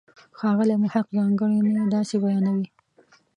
ښاغلی محق ځانګړنې داسې بیانوي.